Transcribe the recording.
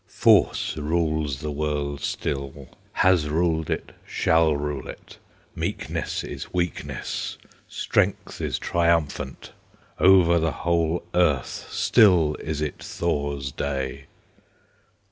Force rules the world still, Has ruled it, shall rule it; Meekness is weakness, Strength is triumphant, Over the whole earth Still is it Thor's Day!